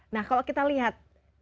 nah kalau kita lihat